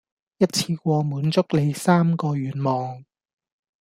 一次過滿足你三個願望